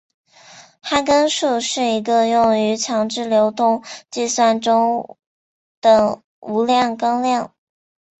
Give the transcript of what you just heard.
哈根数是一个用于强制流动计算中的无量纲量。